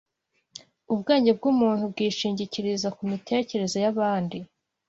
Ubwenge bw’umuntu wishingikiriza ku mitekerereze y’abandi